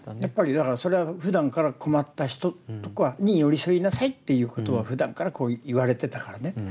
やっぱりだからそれはふだんから困った人とかに寄り添いなさいっていうことはふだんからこう言われてたからね。